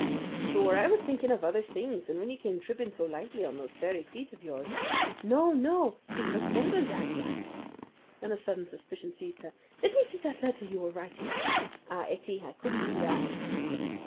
"Sure, I was thinking of other things, and when you came tripping so lightly on those fairy feet of yours " "No, no, it was more than that, Jack." Then a sudden suspicion seized her. "Let me see that letter you were writing." "Ah, Ettie, I couldn't do that."